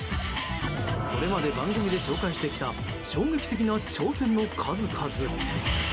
これまで番組で紹介してきた衝撃的な挑戦の数々。